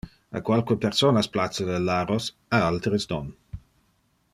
A qualque personas place le laros, a alteres non.